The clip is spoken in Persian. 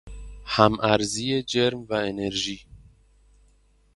هم ارزی جرم و انرژی